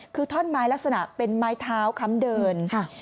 คือท่อนไม้ลักษณะเป็นไม้เท้าค้ำเดิน